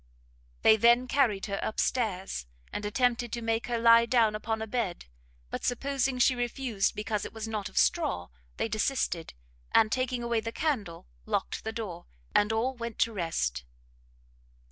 They then carried her up stairs, and attempted to make her lie down upon a bed; but supposing she refused because it was not of straw, they desisted; and, taking away the candle, locked the door, and all went to rest.